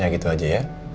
ya gitu aja ya